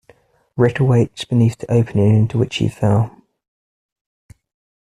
Rick awakes beneath the opening into which he fell.